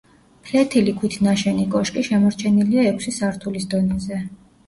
ფლეთილი ქვით ნაშენი კოშკი შემორჩენილია ექვსი სართულის დონეზე.